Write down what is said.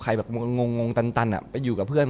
แบบงงตันไปอยู่กับเพื่อน